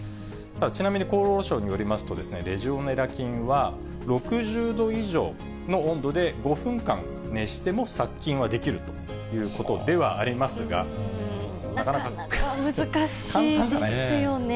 ちなみに厚労省によりますと、レジオネラ菌は、６０度以上の温度で５分間熱しても殺菌はできるということではあなかなか難しいですよね。